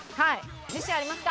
自信ありますか？